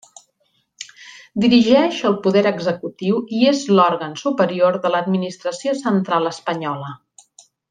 Dirigeix el poder executiu i és l'òrgan superior de l'administració central espanyola.